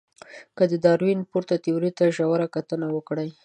که د داروېن پورته تیوري ته ژوره کتنه وکړئ.